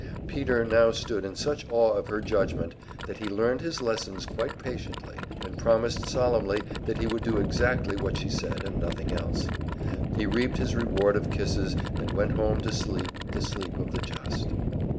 Peter now stood in such awe of her judgment that he learned his lessons quite patiently, and promised solemnly that he would do exactly what she said and nothing else. He reaped his reward of kisses, and went home to sleep the sleep of the just.